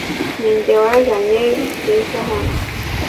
Ninjye wazanye Bwiza hano .